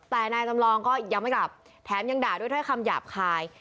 แต่นายจำลองก็ยังไม่กลับแถมยังด่าด้วยถ้อยคำหยาบคาย